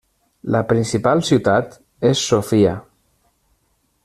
La principal ciutat és Sofia.